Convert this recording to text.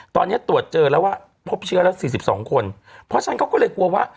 ตอนนี้ตรวจเจอแล้วว่าพบเชื้อแล้วสี่สิบสองคนเพราะฉะนั้นเขาก็เลยกลัวว่า